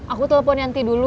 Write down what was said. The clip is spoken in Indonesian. aku telepon yanti dulu